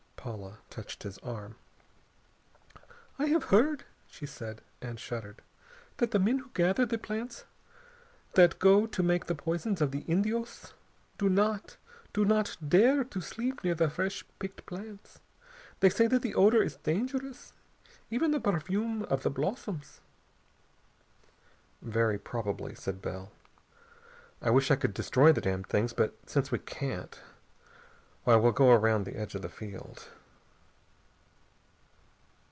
Paula touched his arm. "I have heard," she said, and shuddered, "that the men who gather the plants that go to make the poisons of the Indios do not do not dare to sleep near the fresh picked plants. They say that the odor is dangerous, even the perfume of the blossoms." "Very probably," said Bell. "I wish I could destroy the damned things. But since we can't, why, we'll go around the edge of the field."